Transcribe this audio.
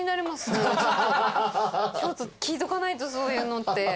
ちょっと聞いとかないとそういうのって。